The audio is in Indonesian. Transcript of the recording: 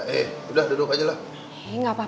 eh udah duduk aja lah